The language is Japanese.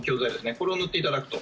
これを塗っていただくと。